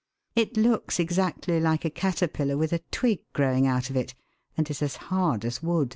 It looks exactly like a caterpillar with a twig growing out of it, and is as hard as wood.